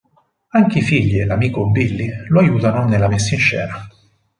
Anche i figli e l'amico Billy lo aiutano nella messinscena.